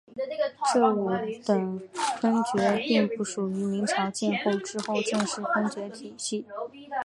这五等封爵并不属于明朝建立后的正式封爵体系。